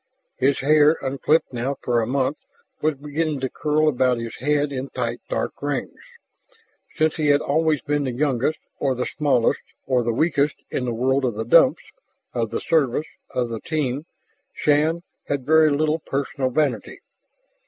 His hair, unclipped now for a month, was beginning to curl about his head in tight dark rings. Since he had always been the youngest or the smallest or the weakest in the world of the Dumps, of the Service, of the Team, Shann had very little personal vanity.